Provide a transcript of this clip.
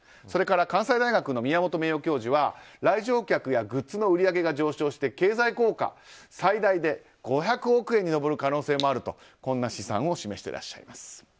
それから、関西大学の宮本名誉教授は来場客やグッズの売り上げが上昇して経済効果が最大で５００億円に上る可能性もあるとこんな試算を示していらっしゃいます。